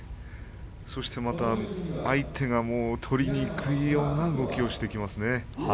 そしてまた相手が取りにくいような動きをしてきますね。